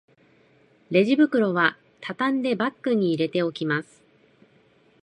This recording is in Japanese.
レジ袋はたたんでバッグに入れておきます